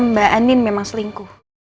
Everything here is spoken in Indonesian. mbak anin memang selingkuh